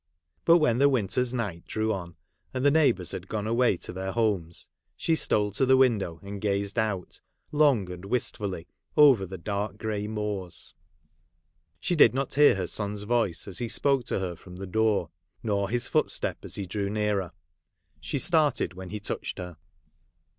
But when the winter's night drew on, and the neighbours had gone away to their homes, she stole to the window, and gazed out, long and wist fully, over the dark grey moors. She did not hear her son's voice, as he spoke to her from the door, nor his footstep as he drew nearer. She started when he touched her.